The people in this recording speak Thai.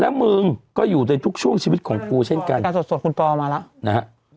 แล้วมึงก็อยู่ในทุกช่วงชีวิตของกูเช่นกันการสดสดคุณปอมาแล้วนะฮะ